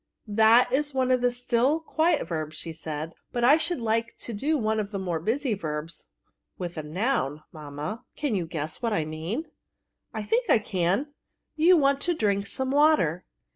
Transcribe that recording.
'* That is one of the still, quiet verbs,*' said she ;" but I should like to do one of the more busy verbs, with a noun, mamma: can you guess what I mean ?"'^ I think I can; yoa want to drink some water."